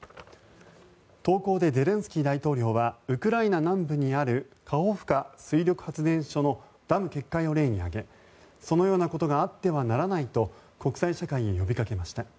投稿でゼレンスキー大統領はウクライナ南部にあるカホフカ水力発電所のダム決壊を例に挙げそのようなことがあってはならないと国際社会へ呼びかけました。